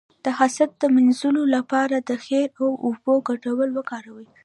د حسد د مینځلو لپاره د خیر او اوبو ګډول وکاروئ